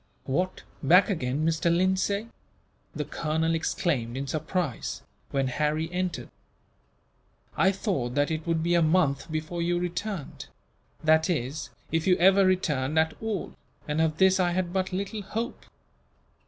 "What! Back again, Mr. Lindsay?" the colonel exclaimed, in surprise, when Harry entered. "I thought that it would be a month before you returned that is, if you ever returned at all, and of this I had but little hope.